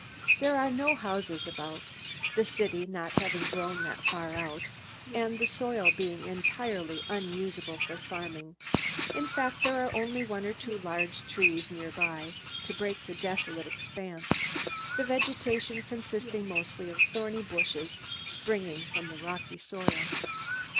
There are no houses about; the city not having grown that far out and the soil being entirely unsuitable for farming. In fact, there are only one or two large trees near by, to break the desolate expanse, the vegetation consisting mostly of thorny bushes springing from the rocky soil.